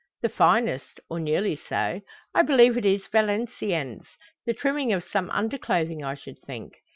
"The finest, or nearly so; I believe it is Valenciennes the trimming of some underclothing, I should think.